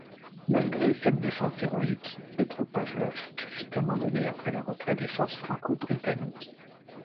Malgré cette défense héroïque, Petropavlosk fut abandonnée après le retrait des forces franco-britanniques.